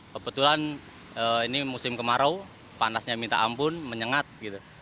kebetulan ini musim kemarau panasnya minta ampun menyengat gitu